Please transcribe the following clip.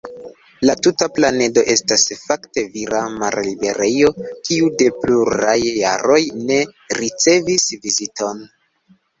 La tuta planedo estas fakte vira malliberejo kiu de pluraj jaroj ne ricevis viziton.